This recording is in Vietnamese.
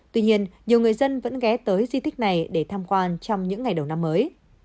tuy nhiên nhiều người dân vẫn ghé tới di tích này để tham quan trong những ngày đầu năm mới